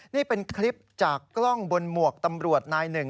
นี่เป็นคลิปจากกล้องบนหมวกตำรวจนายหนึ่ง